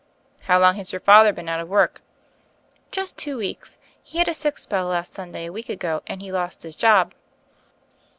"How long has your father been out of work?" "Just two weeks : he had a sick spell last Sun day a week ago, and he lost his pb.